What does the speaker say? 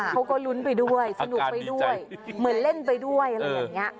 เขาก็ลุ้นไปด้วยสนุกไปด้วยเหมือนเล่นไปด้วยอะไรอย่างนี้